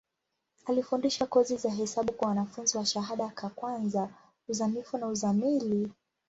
Alifundisha kozi za hesabu kwa wanafunzi wa shahada ka kwanza, uzamivu na uzamili.